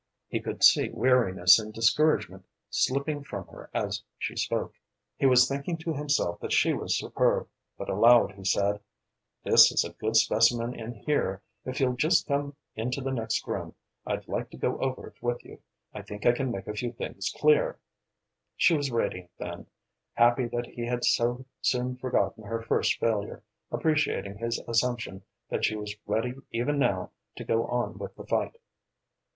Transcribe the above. He could see weariness and discouragement slipping from her as she spoke. He was thinking to himself that she was superb, but aloud he said, "This is a good specimen in here. If you'll just come into the next room I'd like to go over it with you. I think I can make a few things clear." She was radiant then, happy that he had so soon forgotten her first failure, appreciating his assumption that she was ready even now to go on with the fight.